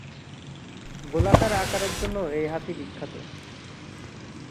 গোলাকার আকারের জন্য এই হাতি বিখ্যাত।